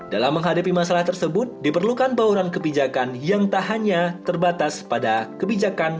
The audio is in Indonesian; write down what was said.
dalam menghadapi masalah tersebut diperlukan bauran kebijakan yang tak hanya terbatas pada kebijakan